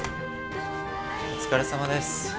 お疲れさまです。